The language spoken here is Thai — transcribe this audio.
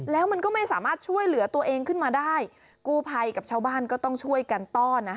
แล้วมันก็ไม่สามารถช่วยเหลือตัวเองขึ้นมาได้กูภัยกับชาวบ้านก็ต้องช่วยกันต้อน